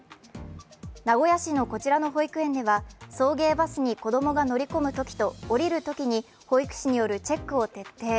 名古屋市のこちらの保育園では送迎バスに子供が乗り込むときと降りるときに保育士によるチェックを徹底。